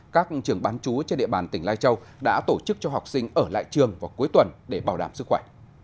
các trường bán chú trên địa bàn tỉnh lai châu đã tổ chức cho học sinh ở lại trường vào cuối tuần để bảo đảm sức khỏe